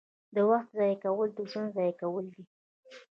• د وخت ضایع کول ژوند ضایع کول دي.